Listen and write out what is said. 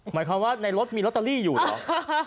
หมายความว่าในรถมีลอตเตอรี่อยู่เหรอ